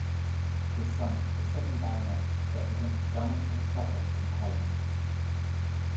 His son, the second Baronet, represented Dunwich and Suffolk in Parliament.